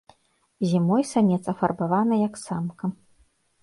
Зімой самец афарбаваны як самка.